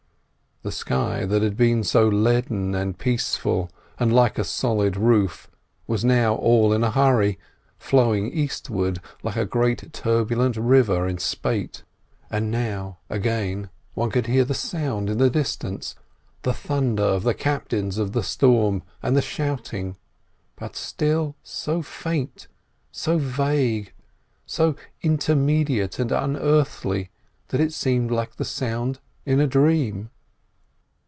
The sky that had been so leaden and peaceful and like a solid roof was now all in a hurry, flowing eastward like a great turbulent river in spate. And now, again, one could hear the sound in the distance—the thunder of the captains of the storm and the shouting; but still so faint, so vague, so indeterminate and unearthly that it seemed like the sound in a dream.